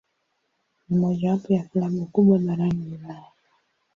Ni mojawapo ya klabu kubwa barani Ulaya.